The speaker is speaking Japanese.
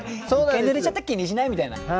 一回濡れちゃったら気にしないみたいな。